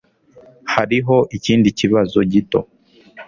Hariho ikindi kibazo gito.